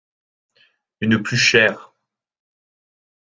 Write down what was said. Une plus chère.